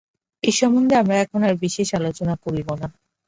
এ সম্বন্ধে আমরা এখন আর বিশেষ আলোচনা করিব না।